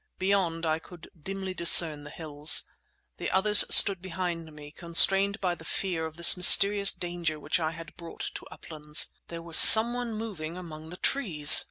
Beyond, I could dimly discern the hills. The others stood behind me, constrained by the fear of this mysterious danger which I had brought to "Uplands." There was someone moving among the trees!